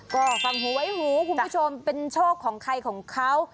ก็ฟังหูไว้หูคุณผู้ชมเป็นโชคของใครของเขา